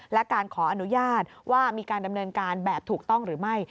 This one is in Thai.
และการขออนุญาตว่ามีการดำเนินการแบบถูกต้องหรือไม่